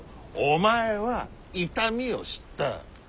お前は痛みを知った。